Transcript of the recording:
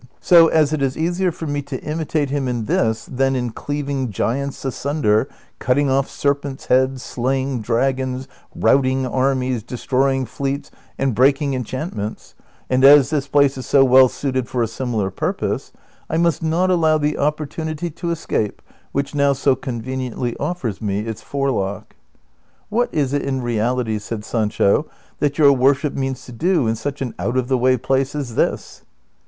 80, as it is easier for me to ind tate him in this than in cleaving giants asunder, cutting off serpents' heads, slaying dragons, routing armies, destroying fleets, and breaking enchantments, and as this place is so well suited for a similar purpose, I must not allow the opportunity to escape which now so conveniently offers me its forelock." "What is it in reality," said Sancho, ''that yoiir worship means to do in such an out of the way place as this